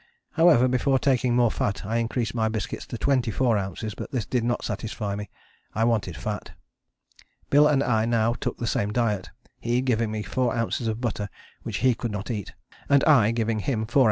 However, before taking more fat I increased my biscuits to 24 oz., but this did not satisfy me; I wanted fat. Bill and I now took the same diet, he giving me 4 oz. of butter which he could not eat, and I giving him 4 oz.